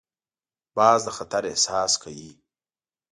باز د خطر احساس کوي